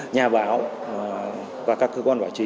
nhà báo và các cơ quan báo chí